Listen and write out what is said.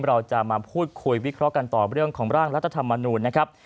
เราจะมาพูดคุยวิเคราะห์กันต่อเรื่องของร่างรัฐธรรมนูญนะครับ